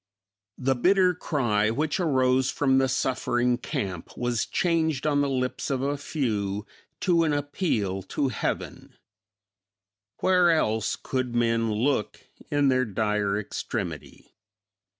The bitter cry which arose from the suffering camp was changed on the lips of a few to an appeal to heaven. Where else could men look in their dire extremity?